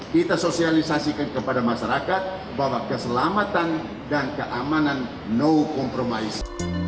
kita sosialisasikan kepada masyarakat bahwa keselamatan dan keamanan no compromise